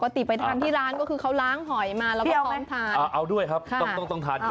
ไปทานที่ร้านก็คือเขาล้างหอยมาแล้วก็ลองทานเอาด้วยครับต้องต้องทานด้วย